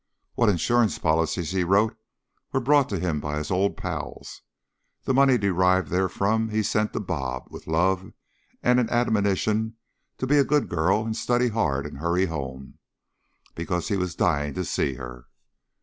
What insurance policies he wrote were brought to him by his old pals; the money derived there from he sent on to "Bob" with love and an admonition to be a good girl and study hard and hurry home, because he was dying to see her.